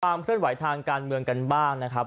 ความเคลื่อนไหวทางการเมืองกันบ้างนะครับ